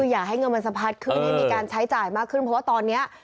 อย่าให้เงินมันสะพัดขึ้นให้มีการใช้จ่ายมากขึ้นเพราะว่าตอนนี้